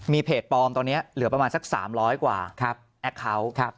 มีเพจปลอมตอนนี้เหลือประมาณสัก๓๐๐กว่าแอคเคาน์